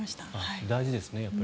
大事ですね。